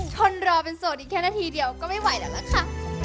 ทนรอเป็นโสดอีกแค่นาทีเดียวก็ไม่ไหวแล้วล่ะค่ะ